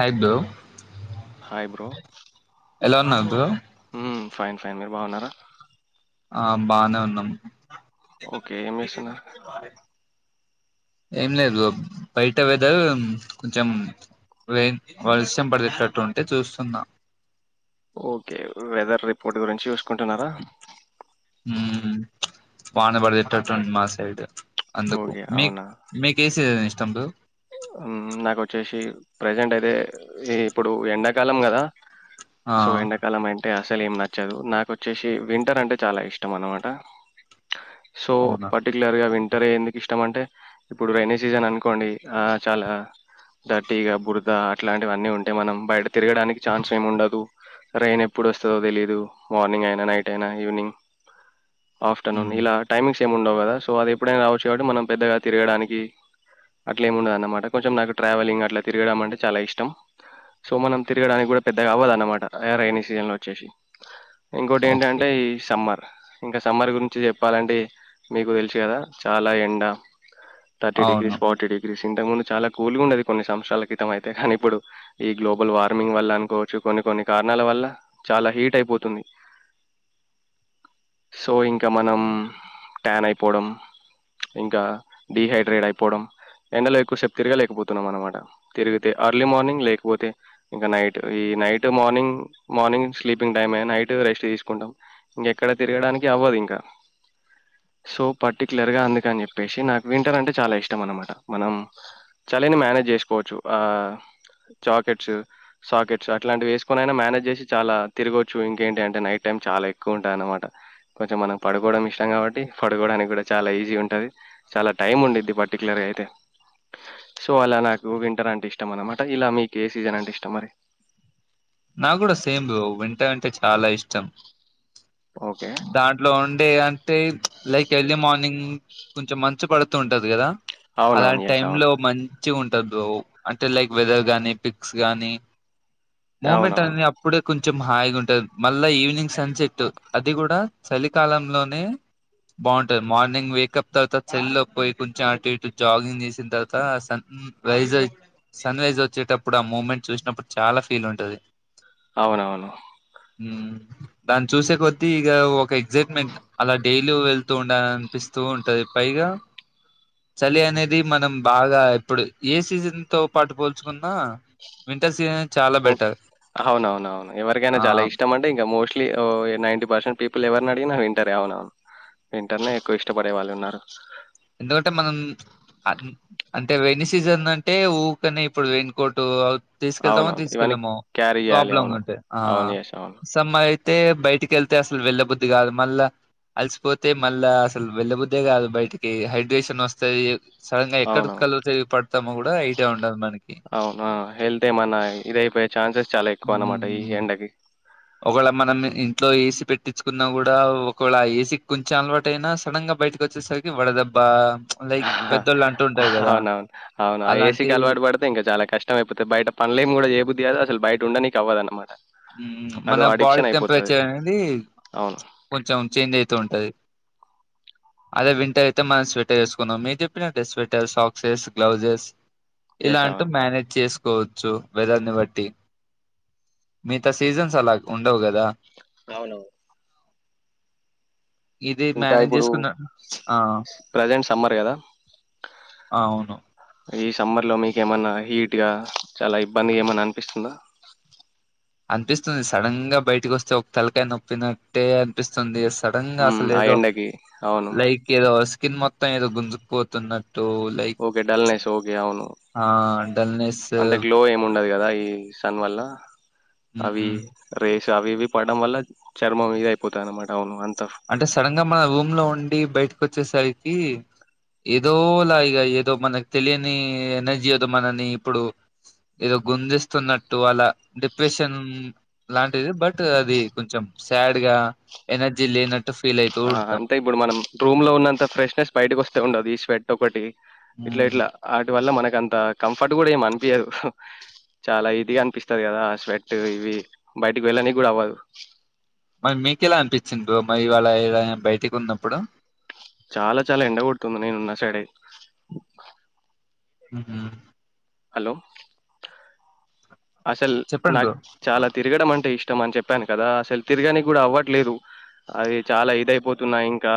Hi bro hi bro ఎలా ఉన్నాదు మ్ ఫైన్ ఫైన్ మీరు బాగున్నారా ఆ బానే ఉన్నాం ఓకే. ఏం చేస్తున్నారు? ఏం లేదు బయట వేదర్ కొంచెం వ వలస్ం పడేటట్టు ఉంటే చూస్తున్నా ఓకే వెదర్ రిపోర్ట్ గురించి కంటేనరా మ్ వానబడదిట్ట్టుంది మా సైడ్ అందుకు ఓకే. మీక్ మీకు ఎ సీసన్ తముడు నాకుొచ్చేసి ప్రెజెంట్ అయితే ఈ ఇప్పుడు ఎండాకాలం కదా ఆ సో ఎండ కాలమ అంటే అసలు ఏమి నచ్చదు నాకు వచ్చేసి వింటర్ అంటే చాలా ఇష్టం అనమాట సో అవునా పర్టికులర్గా విం టర్ ఎందుకు ఇష్టం అంటే ఇప్పుడు రెైనీ సీజన్ అనుకోండి ఆ చాలా డర్టీగా బురద అట్లాంటివన్నీ ఉంటాయి మనం బయట తిరగడానికి ఛాన్స్ ఏమి ఉండదు రైన్ ఎప్పుడు వస్తుందో తెలీదు మార్నింగ్ అయినా నైట్ అయినా ఈవినింగ్ ఆఫ్టర్నూన్ మ్మ్ ఇలా టైమింగ్స్ ఉండవు కదా సో అది ఎప్పుడైనా రావచ్చు కాబట్టి మనం పెద్దగా తిరగడానికి అట్లా ఏమి ఉండదున్నమాట, కొంచెం నాకు ట్రావెలింగ్ అట్లా తిరగడం అంటే చాలా ఇష్టం, సో మనం తిరగడానికి కూడా పెద్దగా అవ్వదున్నమాట రైైనీ సీజన్లో వచ్చేసి ఇంకోటి ఓకే ఏంటంటే ఈ సమ్మర్ ఇంకా సమ్మర్ గురించి చెప్పాలంటే మీకు తెలుసు కదా చాలా ఎండ థర్టీ అవును డిగ్రీస్ డిగ్రీ సింటమ్ ఉంది చాలా కూల్గా ఉండది కొన్ని సంవత్సరాల క్రితం అయితే, కానీ ఇప్పుడు ఈ గ్లోబల్ వార్మింగ్ వల్ల అనుకోవచ్చు కొన్ని కొన్ని కారణాల వల్ల చాలా హీట్ అయిపోతుంది, సో ఇంకా మనం ట్యాన్ అయిపోవడం ఇంకా డిహైడ్రేట్ అయిపోవడం ఎండలో ఎక్కువ సేప్ తిరగ లేకపోతున్నాం అనమాట, తిరిగితే అర్లీ మార్నింగ్ లేకపోతే ఇంకా నైట్ ఈ night morning morning sleeping time night rest తీసుకుంటాం, ఇంక ఎక్కడ తిరగడానికి అవ్వదు ఇంకా, సో పర్టికులర్ గా అందుకని చెప్పేసి నాకు వింటర్ అంటే చాలా ఇష్టం అన్నమా మనం చలిని మానేజ్ చేసుకోవచ్చు ఆ జాకెట్స్, సాకెట్స్ అట్లాంటివి వేసుకోనై నా మేనేజ్ చేసి చాలా తిరగవచ్చు ఇంకేంటి అంటే నైట్ టైం చాలా ఎక్కువ ఉంటాద అనమాట కొంచెం మనం పడుకోవడం ఇష్టం కాబట్టి పడుకోవడానికి కూడా చాలా ఈజీగ ఉంటది, చాలా టైం ఉండిద్ది పర్టికులర్గా. టే సో అలా నాకు వింటర్ అంటే ఇష్టం అనమాట ఇలా మీకు ఏ సీజన్ అంటే ఇష్టం మరి. నా కూడా సేమ్ బ్రో వింటర్ అంటే చాలా ఇష్టం ఓకే. దాంట్లో ఉండే అంటే ప్చ్ లైక్ ఎర్లీ మార్నింగ్ కొంచెం మంచు పడుతూ ఉంటది కదా అవునవును. అలాంటి యెస్. టైమ్ అవును. లో మంచిగుం [unintelligible] అంటే లైక్ వెదర్ గానీ పిక్స్ గానీ మూమెంట్ అవునవును. అని అప్పుడే కొం కొంచెం హాయిగా ఉంటది మళ్ళా ఈవినింగ్ సన్ సెట్ అది కూడా చలికాలంలోనే బాగుంటది, మార్నింగ్ వేకప్ తర్వాత చలిలోకి పోయి కొంచెం అటు ఇటు జాగింగ్ చేసిన తర్వాత సన్ రైజ్ సన్ రైజ్ వచ్చేటప్పుడు ఆ మూమెంట్ చూసినప్పుడు చాలా ఫీల్ ఉంటది. అవును అవును దాన్ని చూసే కొ ద్ది ఇగ ఒక ఎగ్జైట్ట్మెంట్ అలా డైలీ వెళ్తూ ఉండాల అనిపిస్తూ ఉంటది, పైగా చలి అనేది మనం బాగా ఇప్పుడు ఏ సీజన్ తో పాటు పోల్చుకున్నా వింటర్ సీజనే. ఓ అవును అవును అవును ఎవరికైనా ఆ చాలా ఇష్టం అంటే ఇంకా మోస్ట్లీ ఓ ఈ నైన్టీ పర్సన్ పీపుల్ ఎవరిని అడిగిన వింటరే అవును వింటర్నే ఎక్కువ ఇష్టపడే వాళ్ళు ఉన్నారు ఎందుకంటే మనం ప్చ్ అం అంటే రెైనీ సీజన్ అంటే ఊకనే ఇప్పుడు రెయిన్ కోట్. తీసుకెళ్తామో అవునవును. ఇవన్నీ తీసుకెళ్ళమో క్యారీ జేయాలి. ప్రాబ్లంగ అవును. ఉంటే ఆ అవును. యెస్. అవును. సమ్మర్ తే బయటికి వెళ్తే అసలు వెళ్ళబుద్ది కాదు మళ్ళా అలిసిపోతే మళ్లా అసలు వెళ్ళబుద్దే కాదు బయటికి. డీ హైడ్రేషన్ వస్తే అవునవును ఐడియా ఉండదు మనకి అవునా హెల్త్ ఏమన్నా ఇది అయిపోయే ఛాన్సెస్ చాలా ఎకు అన్నమాట ఈ ఉమ్ ఎండకి ఒకవేళ మనం ఇంట్లో ఏసీ పెట్టించుకున్నా కూడా, ఒకేళ ఏసీ కొంచెం అలవాటు అయినా సడన్ గా బయటకి వచ్చేసరికి వడదెబ్బ లైక్ పెద్దోళ్ళు అంటూ ఉంటారు కదా అవునవును అవునా అలాంటి ఏసీకి అలవాటు పడితే ఇంకా చాలా కష్టం అయిపోతది, బయట పనులేమి కూడా ఎం చేయ బుద్ధి కాదు అసలు బయట ఉండనికి అవ్వదన్నమాట మన బాడీ టెంపరేచర్ అనేది అవును. కొంచం చేంజ్ అయిత ఉంటది అదే వింటర్ అయితే మనం స్వెటర్ వేసుకున్నాం, మీరు చెప్పినట్టే స్వెటర్ సాక్సేస్ గ్లౌసెస్ యెస్. ఇలాంటి అవును. మేనేజ్ చేసు కోవచ్చు వెదర్ ని బట్టి మిగతా సీజన్స్ అలా ఉండవు కదా అవును ఇది ఇంకా మేనేజ్ ఇప్పుడు చేసుకున్న ఆ ప్రెజెంట్ సమ్మర్ గదా! అవును ఈ సమ్మర్లో మీక ఏమన్నా హీట్గా చాలా ఇబ్బందిగా ఏమన్నా అనిపిస్తుందా అనిపిస్తుంది సడన్ గా బయటికి వస్తే ఒక తలకాయ నొప్పినట్టే అనిపిస్తుంది. సడన్ గా మ్మ్ అసలు ఆ ఏదో ఎండకి అవును లైక్ ఏదో కింద మొత్తం ఏదో గుంజుకు పోతున్నా ఓకే డల్నెస్ ఓకే అవును ఆ డల్నెస్ అంటె గ్లో ఏమి ఉండదు కదా ఈ సన్ వల్ల అవి హ్మ్ రేష్ అవి ఇవి పడడం వల్ల చర్మం ఇది అయిపోతా అన్నమాట అవును అం అంటే సడన్ గా మన రూమ్ లో ఉం బయటకు వచ్చేసరికి, ఏదోలా ఇ ఏదో మనకి తెలియని ఎనర్జీ ఏదో, మనని ఇప్పుడు ఏదో గుంజిస్తున్నట్టు అలా డిప్రెషన్ లాంటిది బట్ అది కొంచెం శాడ్గా ఎనర్జీ జి లే ఆ అంటే ఇప్పుడు మనమ్ రూమ్ లో ఉన్నంత ఫ్రెష్నెస్ బయటకి వస్తే ఉండదు ఈ స్వెట్ ఒకటి ఇట్లా హ్మ్ ఇట్లా వాటి వల్ల మన ఇక అంత కంఫర్ట్ కూడా ఏమి అనిపియదు, చాలా ఇది అనిపిస్తది కదా స్వెట్ ఇవి బయటికి వెళ్ళనికి కూడా అవ్వదు మరి మీకెలా అనిపించింది బ్రో మరి వాళ్ళలా బయటికి ఉన్నప్పుడు చాలా చాలా ఎండ కొడుతుంది నేనున్న సైడే మ్ హు హలో అసలు చెప్పండి నాక్ బ్రో అ చాలా తిరగడం అంటే ఇష్టం ఇష్టం అని చెప్పాను కదా, అసలు తిరగనికి కూడా అవ్వట్లేదు అది చాలా ఇదయిపోతున్నా ఇంకా,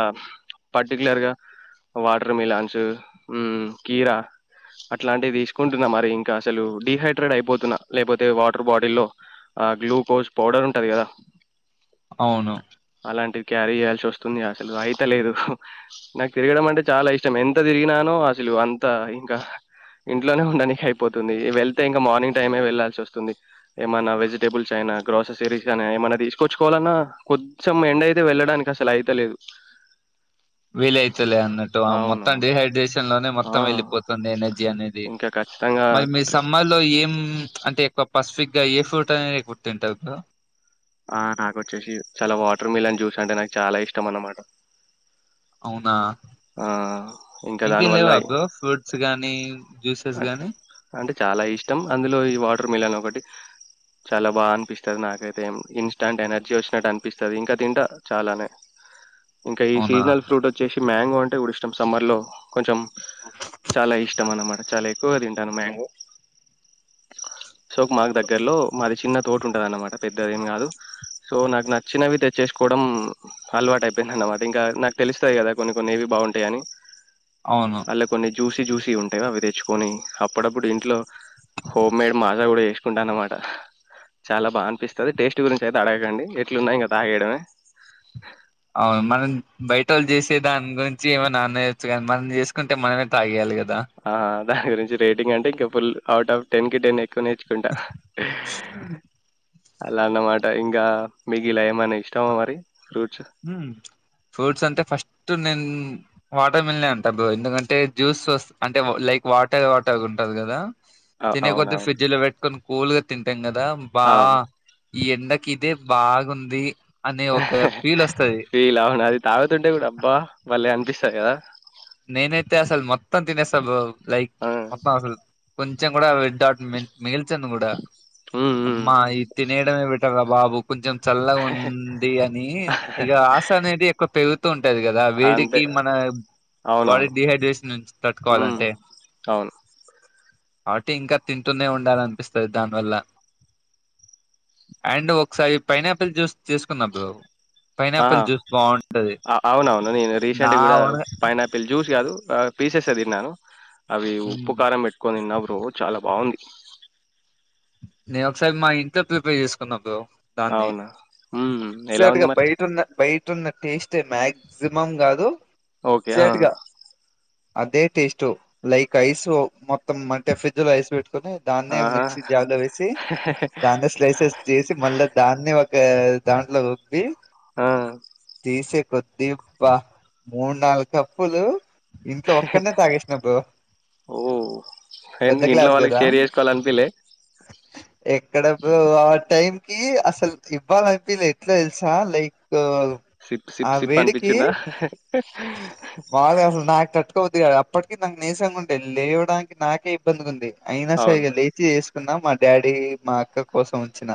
పర్టికులర్గా వాటర్ మిలాన్స్ మ్ కీరా అట్లాంటివి తీసుకుంటున్నా, మరి ఇంకా అసలు డిహైడ్రేట్ అయిపోతున్నా లేకపోతే వాటర్ బాటిల్లో ఆ గ్లూకోజ్ పౌడర్ ఉంటంది కదా అవును అలాంటివి క్యారీ చేయాల్సి వస్తుంది అసలు అయితేలేదు, నాకు తిరగడం అంటే చాలా ఇష్టం ఎంత తిరిగినానో అసలు అంత ఇంకా ఇంట్లోనే ఉండనికి అయిపోతుంది వెళ్తే ఇంకా మార్నింగ్ టైమే వె వెళ్లాల్సి వస్తుంది ఏమన్నా వెజిటబుల్స్ అయినా, గ్రోససరీస్ అ ఏమన్నా తీసుకొచ్చుకోవాలన్నా, కొంచెం ఎండ అయితే వెళ్ళడానికి అసలు అయితలేదు వీల అవుతులే అన్నట్టు మొత్తం అవునవును డిహైడ్రేషన్ లోనే ఆ మొత్తం వెళ్ళిపోతుంది ఎనర్జీ అనేది, ఇంకా ఖచ్చితంగా మరి మీ సమ్మర్లో ఏం అంటే ఎక్కువ పసిఫిక్ గా ఏ ఫ్రూట్ అనేది ఎక్కువ తింటార్ బ్రో ఆ నాకొచ్చేసి చాలా వాటర్ మిలన్ జుస్ అంటే నాకు చాలా ఇష్టం అన్నమాట అవునా ఆ ఇంకా ఇంకేం దానివల్ల లేవా బ్రో ఫ్రూట్స్ గానీ జ్యూసెస్ గానీ అంటే చాలా ఇష్టం అందులో ఈ వాటర్ మిలన్ ఒకటి చాలా బాగా అనిపిస్తుంది నాకైతే, ఇన్స్టంట్ ఎనర్జీ వచ్చినట్టు అనిపిస్తుంది, ఇంకా తింట చాలానే ఇంకా ఈ అవునా సీజనల్ ఫ్రూట్ వచ్చేసి మ్యాంగో అంటే ఇ కూడా ఇష్టం సమ్మర్లో, కొంచెం చాలా ఇష్టం అన్నమాట చాలా ఎక్కువ తింటాను మ్యాంగో, సో మాకు దగ్గరలో మాది చిన్న తోట ఉంటంది అన్నమాట పెద్దది ఏం కాదు సో నాకు నచ్చినవి తెచ్చేసుకోవడం అలవాటు అయిపోయింది అన్నమాట, ఇంకా నాకు తెలుస్తాయి కదా కొన్ని కొన్నివీ బాగుంటాయి అని అవును జూసి జూసి ఉంటాయి అవి తెచ్చుకొని, అప్పుడప్పుడు ఇంట్లో హోమ్మేడ్ మాజా కూడా వేసుకుంటా అన్నమాట, చాలా బాగా అనిపిస్తుంది టేస్ట్ గురించి అయితే అడగకండి ఎట్లున్నాయి ఇంక తాగేయడమే అవును మనం బయట వాళ్ళు చేసే దాని గురించి ఏమైనాన్నేయచ్చు కానీ మనం చేసుకుంటే మనమే తాగేయాలి కదా ఆ దాని గురించి రేటింగ్ అంటే ఇంకా ఫుల్ అవుట్ ఆఫ్ టెన్కి టెన్ ఏయ్ కు నేర్చుకుంటా అలా అన్నమాట ఇంగా మీకు ఇలా ఏమైనా ఇష్టమా మరి ఫ్రూట్స్? ఉమ్ ఫ్రూట్స్ అంటే ఫస్ట్ ఇ నేను వాటర్ మిల్ అంటా బ్రో ఎందుకంటే జ్యూస్ అంటే లైక్ వాటర్ వాటర్గా ఉంటంది కదా అ తినేకొద్ది అవునవును. ఫ్రిజ్ లో పెట్టుకొని కూల్ గా తింట ఇంగ దం బా అవును. ఈ ఎండకి ఇదే బాగుంది అని ఓకే ఫీల్ అవును అది తాగుతుంటే గూడా అబ్బా బలే అన్ పిస్తయా నేనైతే అసలు మొత్తం తినేస్తా బ్రో లైక్ ఆ! మొత్తం అసలు కొంచెం కూడా దాని మిగిల్చంది కూడా హ్మ్. హ్మ్. అమ్మా ఇది తినేయడమే బెటర్ రా వాబ కొంచెం చల్లగా ఉంది అని ఇక ఆశ అనేది ఎక్కువ పెరుగు ఉంటది కదా అంతే. వేడికి మన బాడీ అవునవును. డిహైడ్రేషన్ నుంచి హ్మ్. తట్టుకోవాలంటే అవును. వాటి ఇంకా తింటూనే ఉండాల అనిపిస్తుంది దానివల్ల అండ్ ఒకసారి పైనాపిల్ జ్యూస్ తీసుకున్నప్పుడు ఆ అవునవును నేను రీసెంట్ నా కూడా ఓన్గా పైనాపిల్ జ్యూస్ కాదు పీసెస్ ఏ తిన్నాను అవి ఉప్పు మ్మ్ కారం పెట్టుకొని తిన్నప్పుడు చాలా బాగుంది నేను ఒకసారి మా ఇంట్లో ప్రిపేర్ చేసుకున్నప్పు దాన్నే అవునా? హ్మ్. ఎలా ఎగ్జాక్ట్ ఉంది గా మరి? బయటన్న బయటున్న టేస్ట్ మాక్సిమం కాదు ఓకే ఆ ఎగ్జాక్ట్ గా అదే టేస్టు లైక్ ఐస్ మొత్తం అంటే ఫ్రిడ్జ్ లో ఐస్ లు పే చేసుకుని దాన్ ఆహా! మిక్సీ జర్లో వేసి దాన్ని స్లైసెస్ చేసి మళ్ళా దాన్ని ఒక ఒక దాంట్లో కొద్ది ఆ తీసే కొద్ది బా మూడు నాలుగు కప్పులు ఇంట్లో ఒక్కనే తాగేసిన బ్రో ఓ పెద్ద ఎందుకు ఇంట్లో గ్లాస్ వాళ్ళకి కదా షేర్ చేసుకోవాల అనిపిల్లే ఎక్కడ బ్రో ఆ టైం అసలు ఇవ్వాలనిపి ఎట్లా తెలుసినా లైక్ సిప్ ఆ సిప్ సిప్ వేడికి అనిపించిందా మాములుగా అసలు నాకు [unintelligible] అప్పటికి నాకు నీసంగా ఉండే లేవడానికి నాకే ఇబ్బందిగా ఉంది అయినా స అవును లేచి ఎ స్తున్నా మా డాడీ మా అక్క కోసం వచ్చిన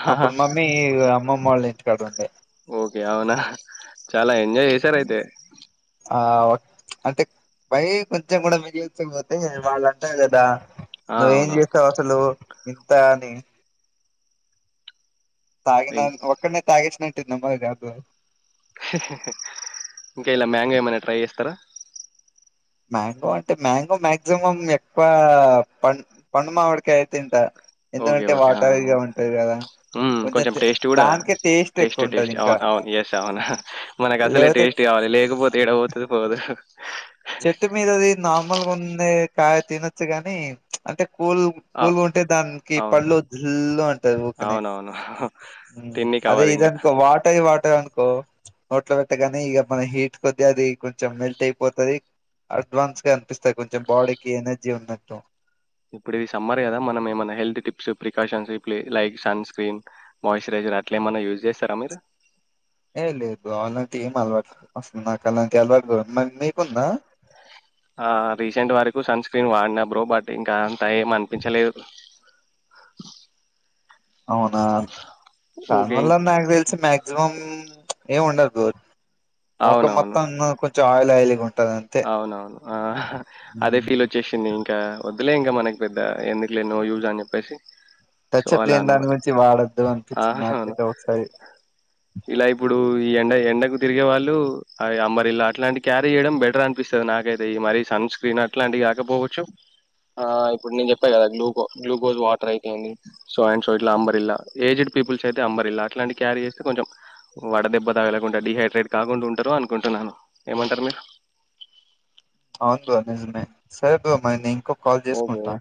ఆహాహా! అప్పుడు మమ్మీ అమ్మమ్మ వాళ్ళ [unintelligible] ఓకే అవునా చాలా ఎంజాయ్ చేసార అయితే ఆ అంటే పై కొంచెం కూడా మిగిలిచ్చకపోతే వాళ్ళు అంటారు కదా ఆ! నువ్వేం అవునవును. చేస్తావ్ అసలు ఇంత అని తాగిన ఇం అను ఒకనే తాగేసి నంటందమ అబ్ ఇంకా ఇలా మ్యాంగో ఏమైనా ట్రై చేస్తారా మ్యాంగో అంటే మ్యాంగో మాక్సిమం ఎక్కువ పం పండు మావిడికయ్ అయితే ఇంత ఓకే ఓకే ఆ ఒకే ఉ కొంచెం టేస్ట్ కూడా దానికే టేస్ట్ ఎక్కువ ఉంటది టేస్ట్ ఇంకా అవును అవును ఎస్ అవునా మనకు అసలే లేకపోతే టేస్ట్ కావాలే లేకపోతే ఎడపోతది పోదు చెట్టు మీదది నార్మల్గా ఉంది కాయ తినొచ్చు గాని అంటే కూల్ అ కూల్ ఉంటే దానికి అవును. పళ్ళు జల్లు అంటది ఊకనే అవునవును. ఉ అదే తిననీకవ్వదింక. ఇదనుకో వాటయి వాట కో నోట్ల పెట్టగానే ఇగ మన హీట్ కొద్దీ అది కొంచెం మెల్ట్ అయిపోతది అడ్వాన్స్ గా అనిపిస్తాయి కొంచెం బాడీకి ఎనర్జీ ఉన్నట్టు ఇప్పుడు ఇది సమ్మర్ కదా మనం ఏమన్నా హెల్త్ టిప్స్ ప్రికాషన్స్ ఇ ప్లే లైక్ సన్ స్క్రీన్ మాయిశ్చరైజర్ అట్లా ఏమన్న యూజ్ చేస్తారా మీరు ఏ లేదు అల్లాంటి ఏం అల్వాటు అసలు నాకు అలాంటి అల్వాటుదు ఆ రీసెంట్ వరకు సన్ స్క్రీ స్క్రీన్ వాడిన బ్రో బట్ ఇంకా అంత ఏం అనిపించలేదు అవునా ఊకే దానివల్ల నాకు తెలిసి మాక్సిమం ఏం ఉండదు గోరు ఒకే అవునవును. మొత్తం కొంచెం చాయా ఆయిలి గుండ్ అవునవును ఆ అదే ఫీల్ వచ్చేసింది ఇంకా వద్దులే ఇంకా మనకి పెద్ద ఎందుకులే నో యూజ్ అని చెప్పేసి టచప్ లేని దాని గురించి వాడొద్దు ఆ! అనిపించి అవును. నాకయితే ఒకసారి ఇలా ఇప్పుడు ఈ ఎండ ఎండకు తిరిగే వాళ్ళు ఆ అంబరిల్ల అట్లాంటి క్యారీ చేయడం బె అనిపిస్తది నాకైతే ఈ మరి సన్ స్క్రీన్ అట్లాంటివి కాకపోవచ్చు. ఆ ఇప్పుడు నేను చెప్పా కదా గ్లూకో గ్లూకోజ్ వాటర్ అయితెంది సో అండ్ సో ఇట్ల అంబరిల్లా ఏజ్డ్ పీపుల్స్ అయితే అంబరిల్ల అట్లాంటి క్యారీ చేస్తే కొంచెం వడ దెబ్బ తాగలకుండా డిహైడ్రేట్ కాకుండా ఉంటరు అనుకుంటున్నాను. ఏమంటారు మీరు అవును బ్రో నిజమే సరే బ్రో మరి నే ఇంకో కాల్ ఓకే. ఓకే. చేసుకుంటా